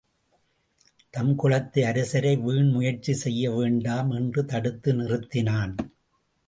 தம் குலத்து அரசரை வீண் முயற்சி செய்ய வேண்டாம் என்று தடுத்து நிறுத்தினான்.